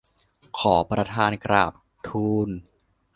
ขอประธานกราบทูล